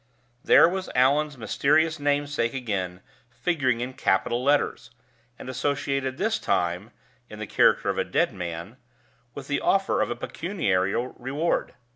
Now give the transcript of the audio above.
There was Allan's mysterious namesake again, figuring in capital letters, and associated this time (in the character of a dead man) with the offer of a pecuniary reward.